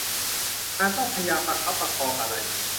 การต้องพยายามประคับประคองอะไร